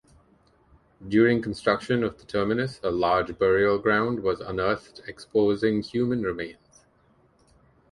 During construction of the terminus, a large burial ground was unearthed exposing human remains.